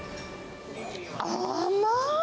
甘っ！